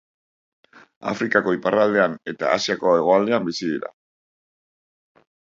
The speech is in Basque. Afrikako iparraldean eta Asiako hegoaldean bizi dira.